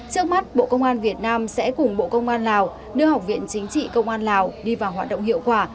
trước mắt bộ công an việt nam sẽ cùng bộ công an lào đưa học viện chính trị công an lào đi vào hoạt động hiệu quả